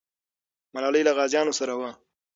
ملالۍ له غازیانو سره وه.